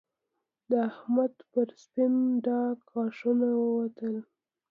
د احمد پر سپين ډاګ غاښونه ووتل